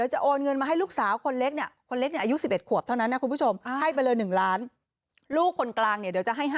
ให้ไปเลย๑ล้านลูกคนกลางเดี๋ยวจะให้๕๐๐๐๐๐